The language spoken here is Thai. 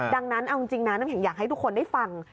ดังนั้นเอาจริงนะน้ำแข็งอยากให้ทุกคนได้ฟัง